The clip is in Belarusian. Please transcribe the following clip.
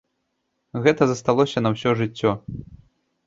Гэта засталося на ўсё жыццё.